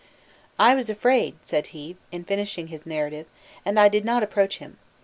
"I was afraid," said he, in finishing his narrative,* "and I did not approach him.